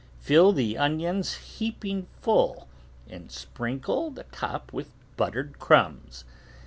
Fill the onions heaping full and sprinkle the top with buttered crumbs.